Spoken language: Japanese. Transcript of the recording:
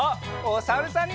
おさるさん。